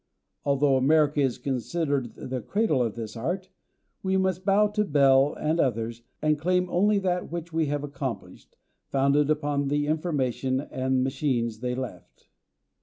Although America is considered the cradle of this art, we must bow to Bell and others and claim only that which we have accomplished, founded upon the information and machines they left.